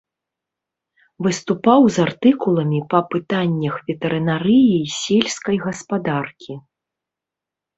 Выступаў з артыкуламі па пытаннях ветэрынарыі і сельскай гаспадаркі.